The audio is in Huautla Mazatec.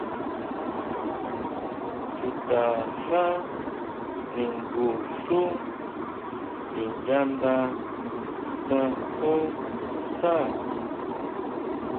Chutaxá ningun xú sinyánda kanjó saá.